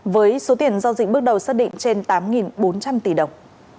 với số tiền giao dịch bước đầu xác định trên tám bốn trăm linh tỷ đồng